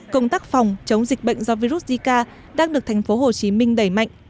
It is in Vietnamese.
công tác phòng chống dịch bệnh do virus zika đang được tp hcm đẩy mạnh